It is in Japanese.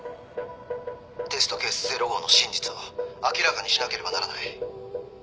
テストケースゼロ号の真実を明らかにしなければならない。